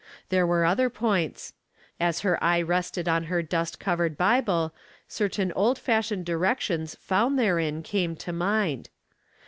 There were other points. As her eye rested on her dust covered Bible, certain old fashioned directions found therein came to mind.